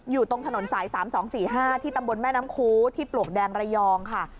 อยู่ตรงถนนสาย๓๒๔๕ที่ตำบลแม่น้ำคูที่ปลวกแดงระยองค่ะ